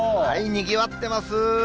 にぎわってます。